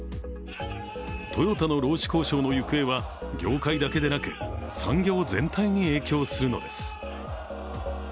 トヨタの労使交渉の行方は業界だけでなく産業全体に影響するのです。